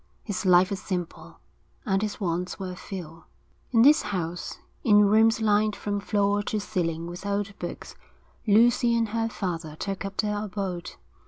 His life was simple, and his wants were few. In this house, in rooms lined from floor to ceiling with old books, Lucy and her father took up their abode.